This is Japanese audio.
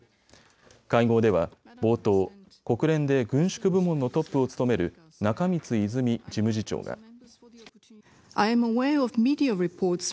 会合では冒頭、国連で軍縮部門のトップを務める中満泉事務次長が。